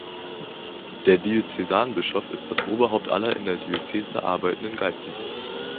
Der Diözesanbischof ist das Oberhaupt aller in der Diözese arbeitenden Geistlichen.